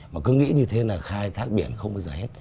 mà cứ nghĩ như thế là khai thác biển không bao giờ hết